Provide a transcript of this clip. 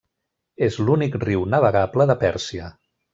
És l’únic riu navegable de Pèrsia.